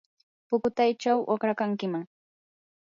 pukutaychaw uqrakankiman.